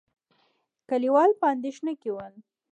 کليوال په اندېښنه کې ول.